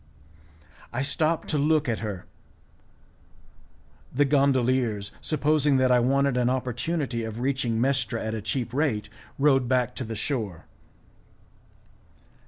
I stopped to look at her; the gondoliers, supposing that I wanted an opportunity of reaching Mestra at a cheap rate, rowed back to the shore.